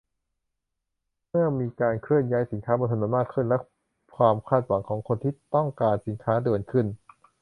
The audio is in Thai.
เมื่อมีการเคลื่อนย้ายสินค้าบนถนนมากขึ้น และความคาดหวังของคนที่ต้องการสินค้าด่วนขึ้น